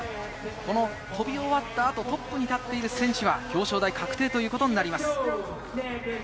飛び終わった後、トップに立っている選手は表彰台確定ということになります。